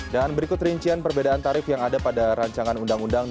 dan berikut rincian perbedaan tarif yang ada pada rancangan undang undang